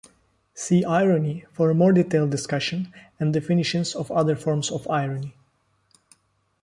See Irony for a more detailed discussion, and definitions of other forms of irony.